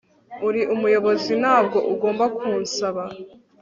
uri umuyobozi ntabwo ugomba kunsaba